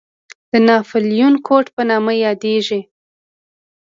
د ناپلیون کوډ په نامه یادېږي.